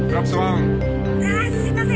あーすいません！